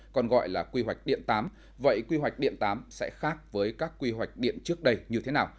còn gọi là quy hoạch điện tám vậy quy hoạch điện tám sẽ khác với các quy hoạch điện trước đây như thế nào